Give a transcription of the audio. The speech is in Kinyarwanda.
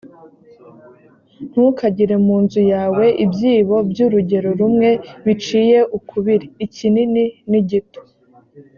ntukagire mu nzu yawe ibyibo by’urugero rumwe biciye ukubiri, ikinini n’igito.